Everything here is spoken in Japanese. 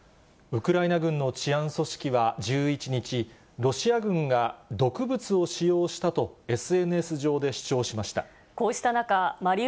ウクライナ軍の治安組織は１１日、ロシア軍が毒物を使用したと、ＳＮＳ上で主張しました。